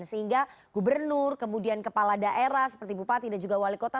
sehingga gubernur kemudian kepala daerah seperti bupati dan juga wali kota